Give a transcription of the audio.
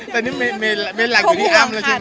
แต่นี่ไม่มีหล่างอยู่ที่อัมเลยสิ